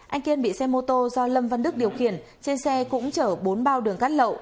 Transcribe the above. anh kiên bị xe mô tô do lâm văn đức điều khiển trên xe cũng chở bốn bao đường cát lậu